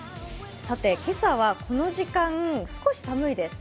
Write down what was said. さて、今朝はこの時間、少し寒いです。